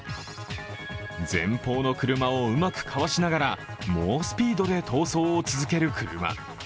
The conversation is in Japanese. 前方の車をうまくかわしながら猛スピードで逃走を続ける車。